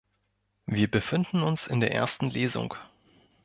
Wir befinden uns in der ersten Lesung.